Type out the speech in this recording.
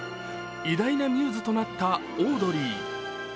偉大なミューズとなったオードリー。